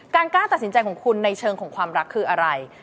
กล้าตัดสินใจของคุณในเชิงของความรักคืออะไร